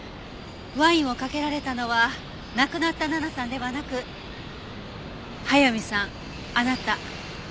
ワインをかけられたのは亡くなった奈々さんではなく速水さんあなた。